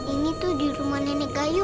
ini tuh di rumah nenek kayu